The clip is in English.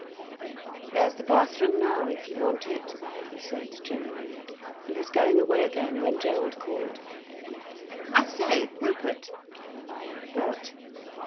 "There's the bath room now, if you want it," he said generally, and was going away again, when Gerald called: "I say, Rupert!" "What?"